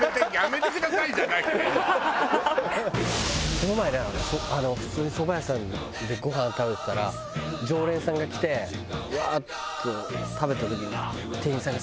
この前ね普通にそば屋さんでごはん食べてたら常連さんが来てうわーっと食べた時に店員さんがさ